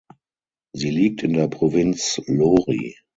Sie liegt in der Provinz Lori.